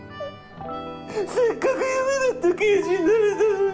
せっかく夢だった刑事になれたのに。